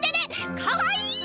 かわいい！